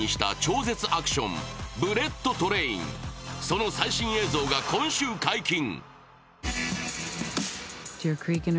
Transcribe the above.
その最新映像が今週解禁。